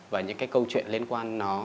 và những cái câu chuyện liên quan nó